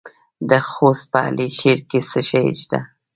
د خوست په علي شیر کې څه شی شته؟